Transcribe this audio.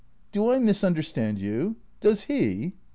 "Do I misunderstand you? Does he?"